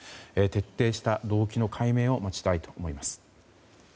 徹底した動機の解明を待ちたいと思います。